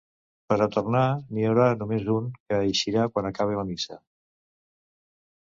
Per a tornar n’hi haurà només un que eixirà quan acabe la missa.